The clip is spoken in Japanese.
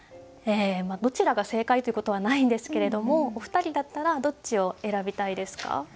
どちらが正解ということはないんですけれどもお二人だったらどっちを選びたいですか？